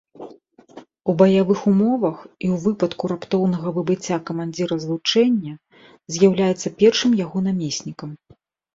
У баявых умовах і ў выпадку раптоўнага выбыцця камандзіра злучэння з'яўляецца першым яго намеснікам.